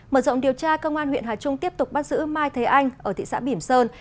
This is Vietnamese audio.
mở rộng điều tra công an huyện hà trung tiếp tục bắt giữ mai thế anh ở thị xã bỉm sơn